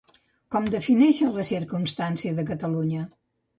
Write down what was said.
Com defineixen la circumstància de Catalunya?